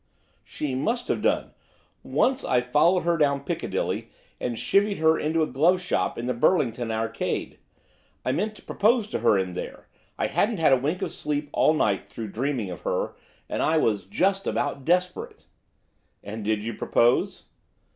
'She must have done. Once I followed her down Piccadilly, and chivied her into a glove shop in the Burlington Arcade. I meant to propose to her in there, I hadn't had a wink of sleep all night through dreaming of her, and I was just about desperate.' 'And did you propose?